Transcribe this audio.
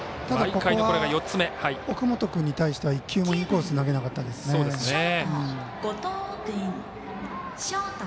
ただ、今回は奥本君に対しては１球もインコースに投げなかったですね。